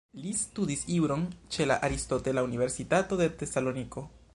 Li studis juron ĉe la Aristotela Universitato de Tesaloniko.